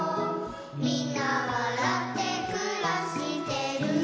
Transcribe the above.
「みんなわらってくらしてる」